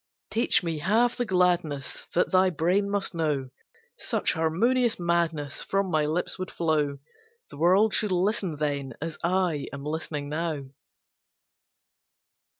Teach me half the gladness That thy brain must know; Such harmonious madness From my lips would flow The world should listen then as I am listening now!